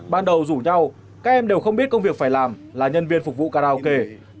ban đầu rủ nhau các em đều không biết công việc phải làm là nhân viên phục vụ karaoke